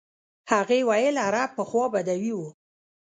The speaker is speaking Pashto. هغې ویل عرب پخوا بدوي وو.